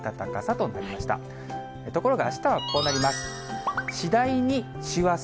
ところがあしたはこうなります。